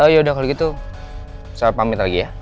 yaudah kalau gitu saya pamit lagi ya